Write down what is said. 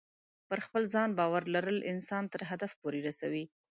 پر خپل ځان باور لرل انسان تر هدف پورې رسوي.